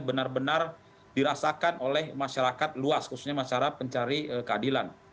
benar benar dirasakan oleh masyarakat luas khususnya masyarakat pencari keadilan